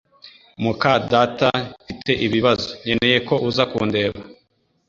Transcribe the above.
muka data, Mfite ibibazo. Nkeneye ko uza kundeba